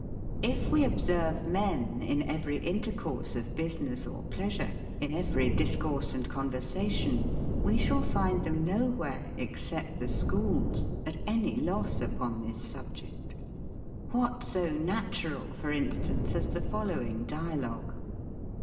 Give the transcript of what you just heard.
If we observe men, in every intercourse of business or pleasure, in every discourse and conversation, we shall find them nowhere, except the schools, at any loss upon this subject. What so natural, for instance, as the following dialogue?